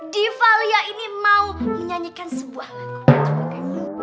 di valia ini mau menyanyikan sebuah lagu